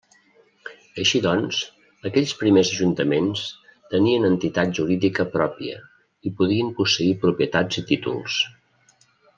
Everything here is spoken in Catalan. Així doncs aquells primers ajuntaments tenien entitat jurídica pròpia i podien posseir propietats i títols.